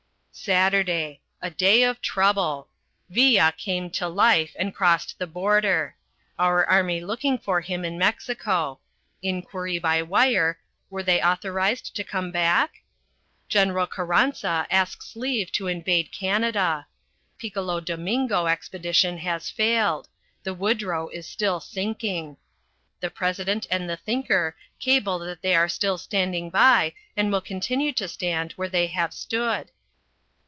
SATURDAY. A day of trouble. Villa came to life and crossed the border. Our army looking for him in Mexico: inquiry by wire, are they authorised to come back? General Carranza asks leave to invade Canada. Piccolo Domingo expedition has failed. The Woodrow is still sinking. The President and the Thinker cable that they are still standing by and will continue to stand where they have stood.